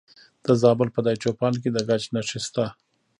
د زابل په دایچوپان کې د ګچ نښې شته.